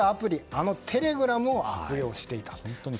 あのテレグラムを悪用していた。